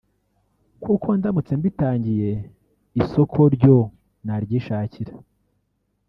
kuko ndamutse mbitangiye isoko ryo naryishakira